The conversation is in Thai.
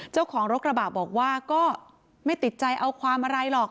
เจ้าของรถกระบะบอกว่าก็ไม่ติดใจเอาความอะไรหรอก